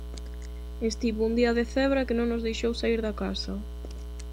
Estivo un día de cebra que non nos deixou saír da casa.